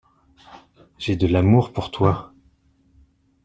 J’ai de l’amour pour toi.